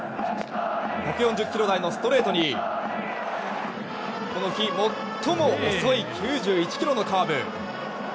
１４０キロ台のストレートにこの日、最も遅い９１キロのカーブ。